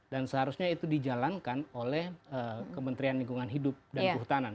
dan seharusnya itu dijalankan oleh kementerian lingkungan hidup dan kehutanan